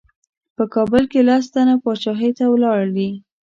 په کابل کې لس تنه پاچاهۍ ته ولاړ دي.